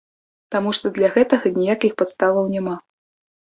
Таму што для гэтага ніякіх падставаў няма.